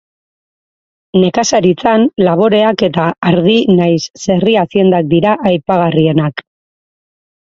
Nekazaritzan laboreak eta ardi nahiz zerri aziendak dira aipagarrienak.